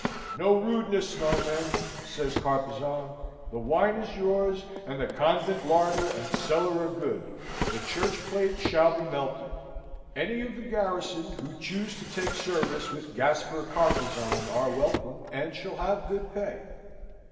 "No rudeness, my men," says Carpezan; "the wine is yours, and the convent larder and cellar are good: the church plate shall be melted: any of the garrison who choose to take service with Gaspar Carpezan are welcome, and shall have good pay.